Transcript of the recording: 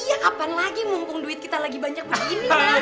iya kapan lagi mumpung duit kita lagi banyak begini